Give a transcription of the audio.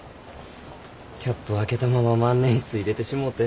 キャップ開けたまま万年筆入れてしもうて。